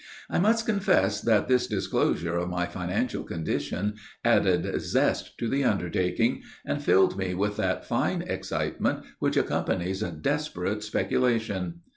I must confess that this disclosure of my financial condition added zest to the undertaking, and filled me with that fine excitement which accompanies a desperate speculation.